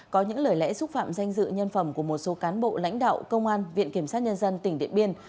có những lời lẽ xúc phạm danh dự nhân phẩm của một số cán bộ lãnh đạo công an viện kiểm sát nhân dân tỉnh điện biên